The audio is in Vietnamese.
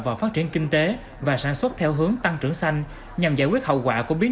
vào phát triển kinh tế và sản xuất theo hướng tăng trưởng xanh nhằm giải quyết hậu quả của biến